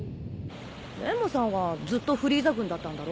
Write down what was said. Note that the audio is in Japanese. レモさんはずっとフリーザ軍だったんだろ？